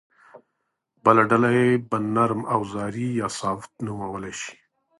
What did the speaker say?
بله ډله یې به نرم اوزاري یا سافټ نومول شي